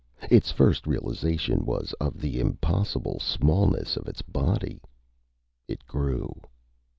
Its first realization was of the impossible smallness of its body. It grew.